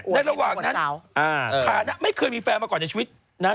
ในระหว่างนั้นไม่เคยมีแฟนมาก่อนในชีวิตนะ